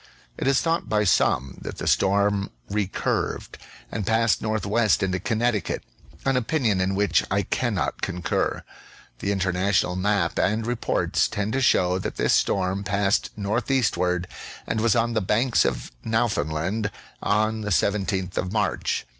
It is thought by some that the storm re curved and passed northwest into Connecticut; an opinion in which I cannot concur. The international map and reports tend to show that this storm passed northeastward and was on the Banks of Nowfoundland on the 17th of March.